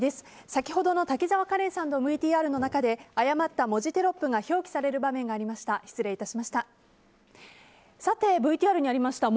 先ほどの滝沢カレンさんのＶＴＲの中で誤った文字テロップが表記される場面がありました。